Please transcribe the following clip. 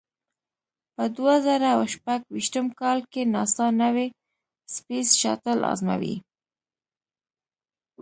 په دوه زره او شپږ ویشتم کال کې ناسا نوې سپېس شاتل ازموي.